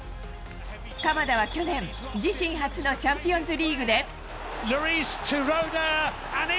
鎌田は去年、自身初のチャンピオンズリーグで。